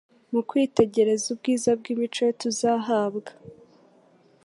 Mu kwitegereza ubwiza bw'imico ye, tuzahabwa